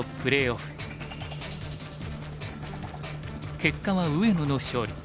結果は上野の勝利。